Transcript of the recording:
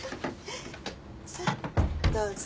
さあどうぞ。